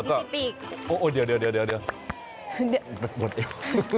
เบาะเอว